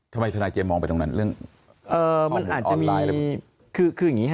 ทำไมธนาเจมส์มองไปตรงนั้นเรื่องออนไลน์